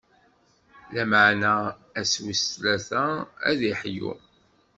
Lameɛna ass wis tlata, ad d-iḥyu.